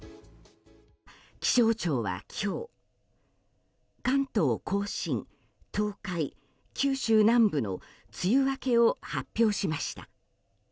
気象庁は今日関東・甲信、東海、九州南部の梅雨明けを発表しました。